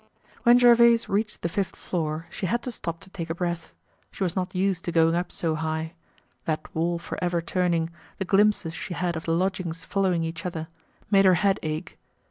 When Gervaise reached the fifth floor, she had to stop to take a breath; she was not used to going up so high; that wall for ever turning, the glimpses she had of the lodgings following each other, made her head ache.